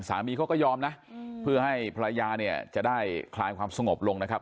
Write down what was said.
สามีเขาก็ยอมนะเพื่อให้ภรรยาเนี่ยจะได้คลายความสงบลงนะครับ